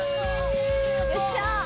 よっしゃ！